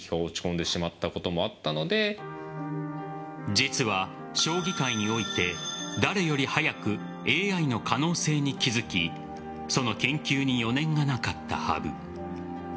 実は将棋界において誰より早くＡＩの可能性に気付きその研究に余念がなかった羽生。